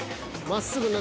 まっすぐに。